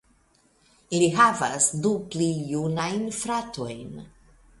Li havas du pli junajn fratojn.